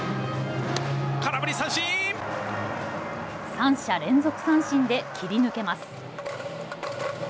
３者連続三振で切り抜けます。